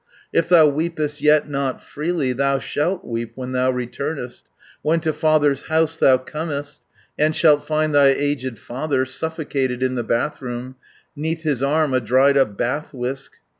If thou weepest yet not freely Thou shalt weep when thou returnest, When to father's house thou comest, And shalt find thy aged father Suffocated in the bathroom, 'Neath his arm a dried up bath whisk.